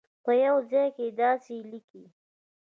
په یوه ځای کې داسې لیکي.